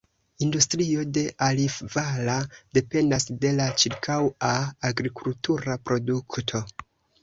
Industrio de Arifvala dependas de la ĉirkaŭa agrikultura produkto.